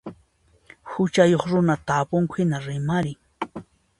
Huchayuq runa tapunku hina rimarin.